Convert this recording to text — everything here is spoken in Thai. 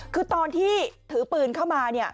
คือตอนที่ถือปืนเข้ามา